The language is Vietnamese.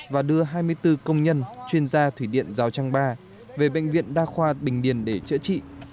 và đưa hai mươi bốn công nhân chuyên gia thủy điện rào trang ba về bệnh viện đa khoa bình điền để chữa trị